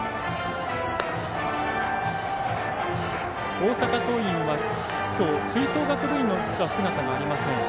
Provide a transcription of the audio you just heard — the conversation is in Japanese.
大阪桐蔭はきょう吹奏楽部員の姿がありません。